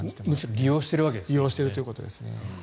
利用しているということですね。